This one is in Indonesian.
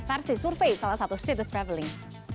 versi survei salah satu situs traveling